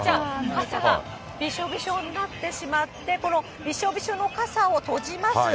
傘、びしょびしょになってしまって、このびしょびしょの傘を閉じます。